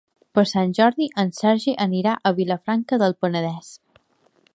Per Sant Jordi en Sergi anirà a Vilafranca del Penedès.